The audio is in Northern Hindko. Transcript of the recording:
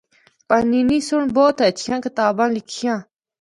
پانینی سنڑ بہت ہچھیاں کتاباں لکھیاں۔